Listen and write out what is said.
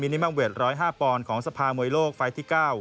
นิมังเวท๑๐๕ปอนด์ของสภามวยโลกไฟล์ที่๙